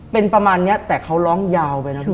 เป็นประมาณนี้แต่เขาร้องยาวไปนะพี่